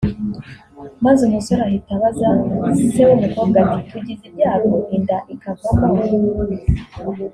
Maze umusore ahita abaza se w’umukobwa ati ”tugize ibyago inda ikavamo